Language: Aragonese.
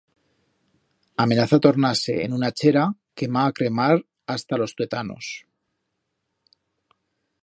Amenaza tornar-se en una chera que m'ha a cremar hasta los tuetanos.